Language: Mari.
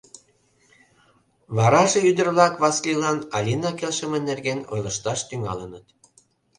Вараже ӱдыр-влак Васлийлан Алина келшыме нерген ойлышташ тӱҥалыныт.